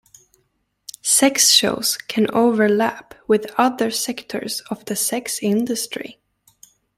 Sex shows can overlap with other sectors of the sex industry.